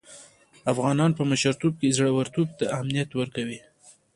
افغانان په مشرتوب کې زړه ورتوب ته اهميت ورکوي.